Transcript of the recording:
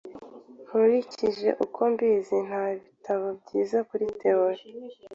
Nkurikije uko mbizi, nta bitabo byiza kuri théorie